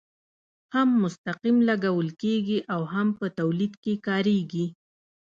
هم مستقیم لګول کیږي او هم په تولید کې کاریږي.